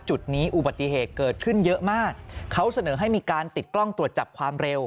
จุดนี้อุบัติเหตุเกิดขึ้นเยอะมากเขาเสนอให้มีการติดกล้องตรวจจับความเร็ว